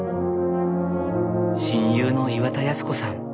親友の岩田康子さん。